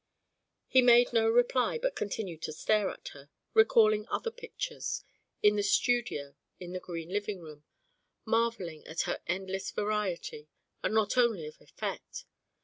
He made no reply but continued to stare at her, recalling other pictures, in the studio, in the green living room, marvelling at her endless variety, and not only of effect.